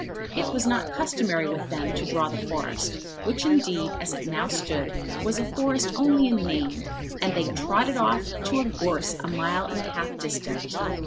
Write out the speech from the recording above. It was not customary with them to draw the forest, which indeed, as it now stood, was a forest only in name, and they trotted off to a gorse a mile and a half distant.